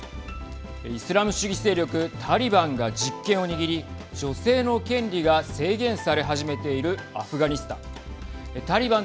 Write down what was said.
イスラム主義勢力タリバンが実権を握り女性の権利が制限され始めているアフガニスタン。